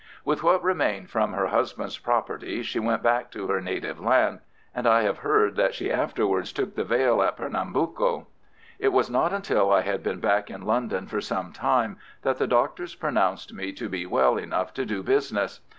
With what remained from her husband's property she went back to her native land, and I have heard that she afterwards took the veil at Pernambuco. It was not until I had been back in London for some time that the doctors pronounced me to be well enough to do business.